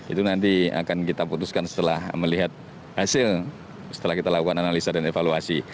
itu nanti akan kita putuskan setelah melihat hasil setelah kita lakukan analisa dan evaluasi